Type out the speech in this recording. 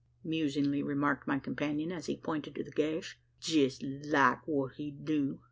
musingly remarked my companion as he pointed to the gash; "jest like what he'd do!